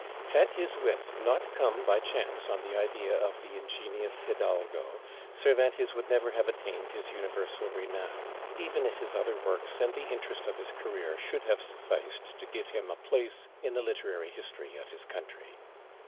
Had his wit not come by chance on the idea of the Ingenious Hidalgo, Cervantes would never have attained his universal renown, even if his other works and the interest of his career should have sufficed to give him a place in the literary history of his country.